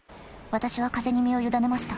私は風に身を委ねました。